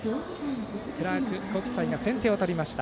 クラーク国際が先手を取りました。